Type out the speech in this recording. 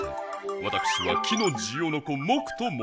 わたくしは木のジオノコモクともうします。